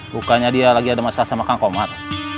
bukannya dia lagi ada masalah sama kang komar